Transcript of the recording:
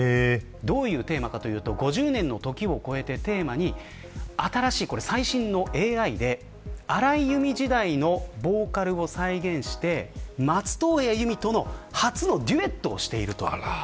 どういうテーマかというと５０年の時を越えて最新のＡＩで、荒井由実時代のボーカルを再現して松任谷由実との初のデュエットをしています。